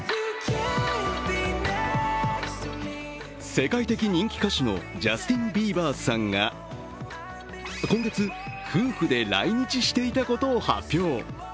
世界的人気歌手のジャスティン・ビーバーさんが今月、夫婦で来日していたことを発表。